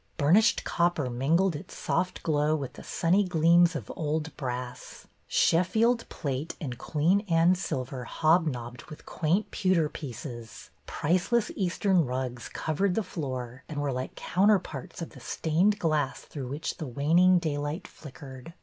Burnished copper mingled its soft glow with the sunny gleams of old brass; Sheffield plate and Queen Anne silver hobnobbed with quaint pewter pieces ; priceless Eastern rugs covered the floor and were like counterparts of the stained glass through which the waning daylight flickered.